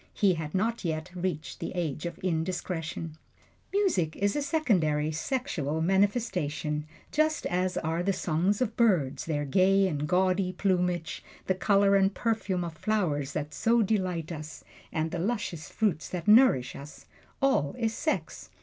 He had not yet reached the age of indiscretion. Music is a secondary sexual manifestation, just as are the songs of birds, their gay and gaudy plumage, the color and perfume of flowers that so delight us, and the luscious fruits that nourish us all is sex.